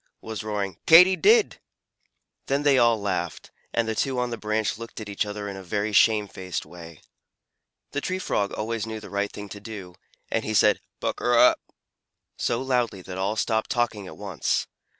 was roaring "Katy did!" Then they all laughed, and the two on the branch looked at each other in a very shamefaced way. The Tree Frog always knew the right thing to do, and he said "Pukr r rup!" so loudly that all stopped talking at once.